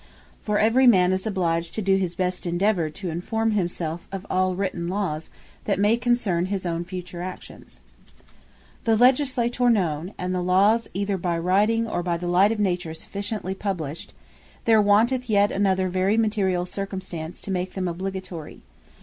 For every man is obliged to doe his best endeavour, to informe himself of all written Lawes, that may concerne his own future actions. The Interpretation Of The Law Dependeth On The Soveraign Power The Legislator known; and the Lawes, either by writing, or by the light of Nature, sufficiently published; there wanteth yet another very materiall circumstance to make them obligatory.